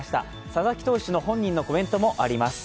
佐々木投手の本人のコメントもあります。